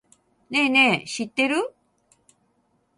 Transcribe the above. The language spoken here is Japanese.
ねぇねぇ、知ってる？